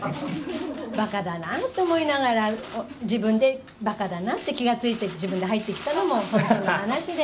ばかだなと思いながら、自分でばかだなって気が付いて自分で入ってきたのも本当の話で。